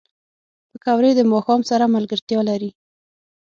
پکورې د ماښام سره ملګرتیا لري